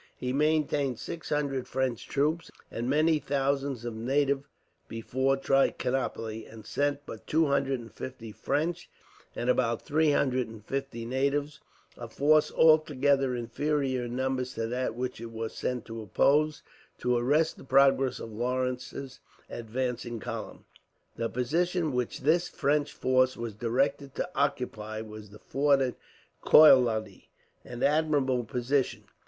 He maintained six hundred French troops and many thousands of native before Trichinopoli, and sent but two hundred and fifty French, and about three hundred and fifty natives a force altogether inferior in numbers to that which it was sent to oppose to arrest the progress of Lawrence's advancing column. The position which this French force was directed to occupy was the fort of Koiladi, an admirable position.